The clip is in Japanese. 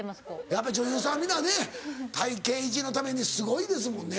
やっぱ女優さんは皆ね体形維持のためにすごいですもんね。